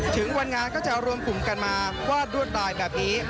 ถึงวันงานก็จะรวมกลุ่มกันมาควาดรวดลายแบบนี้